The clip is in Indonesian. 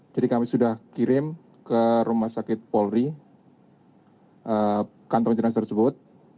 jadi kami sudah kirim ke rumah sakit polri kantong jenazah tersebut